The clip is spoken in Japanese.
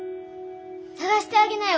探してあげなよ！